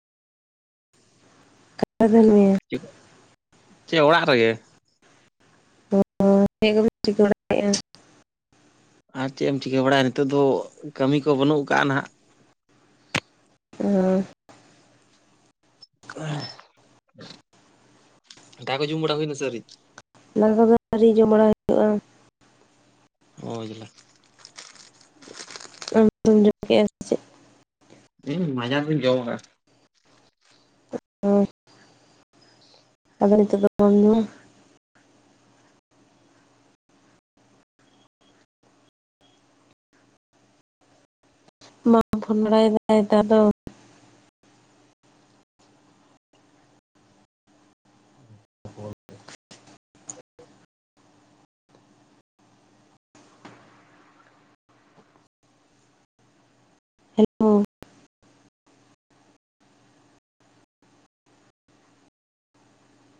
ᱠᱟᱛᱷᱟ ᱠᱟᱱ ᱜᱮᱭᱟ ᱪᱮᱫ ᱚᱲᱟᱜ ᱨᱮ ᱪᱮᱫ ᱠᱚᱯᱮ ᱪᱤᱠᱟᱹ ᱵᱟᱲᱟᱭᱮᱫᱼᱟ? ᱟᱨ ᱪᱮᱫ ᱮᱢ ᱪᱤᱠᱟᱹ ᱵᱟᱲᱟᱭᱟ ᱱᱤᱛᱚᱜ ᱫᱚ ᱠᱟᱹᱢᱤ ᱠᱚ ᱵᱟᱹᱱᱩᱜ ᱟᱠᱟᱜᱼᱟ ᱱᱟᱦᱟᱜ ᱚ ᱫᱟᱠᱚ ᱠᱚ ᱡᱚᱢ ᱵᱟᱲᱟ ᱦᱩᱭᱱᱟ ᱥᱮ ᱟ. ᱣᱨᱤ? ᱫᱟᱠᱟ ᱫᱚ ᱟ. ᱣᱨᱤ ᱡᱚᱢ ᱵᱟᱲᱟ ᱦᱩᱭᱩᱜᱼᱟ ᱚ ᱡᱟᱞᱟ ᱟᱢ ᱫᱚᱢ ᱡᱚᱢ ᱠᱮᱫ ᱟ ᱥᱮᱪᱮᱫ? ᱤᱧ ᱢᱟᱡᱟᱱ ᱫᱚᱧ ᱡᱚᱢ ᱠᱟᱜ ᱟ ᱚ ᱟᱫᱚ ᱱᱤᱛᱟᱜ ᱫᱚ ᱵᱟᱢ ᱡᱚᱢᱟ? ᱵᱟᱢ ᱯᱷᱳᱱ ᱵᱟᱲᱟᱭ ᱫᱟᱭ ᱛᱚ ᱟᱫᱚ ᱦᱮᱞᱳ